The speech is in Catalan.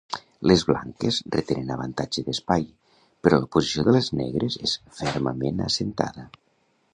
Les blanques retenen avantatge d'espai, però la posició de les negres és fermament assentada.